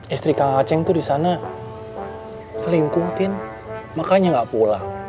istri kang acing tuh disana selingkuh tin makanya gak pulang